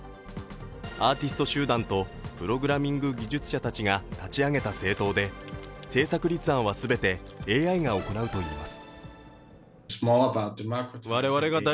アーティスト集団とプログラミング技術者たちが立ち上げた政党で政策立案はすべてＡＩが行うといいます。